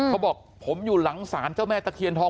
เขาบอกผมอยู่หลังศาลเจ้าแม่ตะเคียนทอง